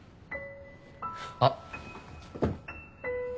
あっ。